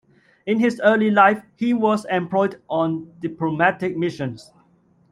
In his early life he was employed on diplomatic missions.